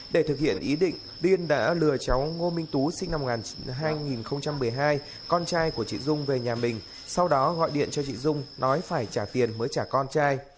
để thực hiện ý định liên đã lừa cháu ngô minh tú sinh năm hai nghìn một mươi hai con trai của chị dung về nhà mình sau đó gọi điện cho chị dung nói phải trả tiền mới trả con trai